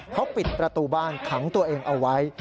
เขาปิดประตูบ้านขังตัวเองเอาไว้